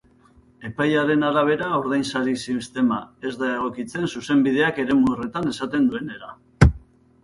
Epaiaren arabera ordainsari sistema ez da egokitzen zuzenbideak eremu horretan esaten duenera.